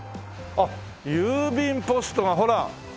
あっ郵便ポストがほら！